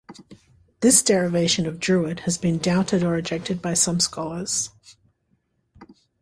This derivation of Druid has been doubted or rejected by some scholars.